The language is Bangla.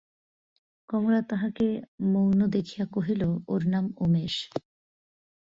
কমলা তাহাকে মৌন দেখিয়া কহিল, ওর নাম উমেশ।